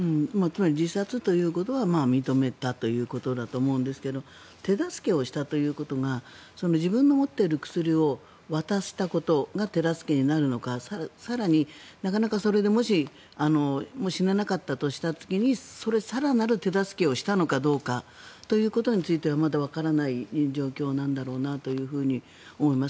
自殺ということは認めたということだと思うんですが手助けをしたということが自分の持っている薬を渡したことが手助けになるのか更になかなかそれで、もし死ねなかったとした時に更なる手助けをしたのかについてはまだわからない状況なんだろうなと思います。